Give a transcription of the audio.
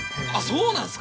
そうなんです